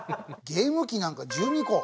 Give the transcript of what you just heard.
ゲーム機なんか１２個。